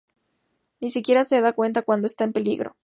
Ni siquiera se da cuenta cuando está en peligro.